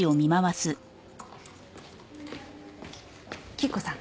吉子さん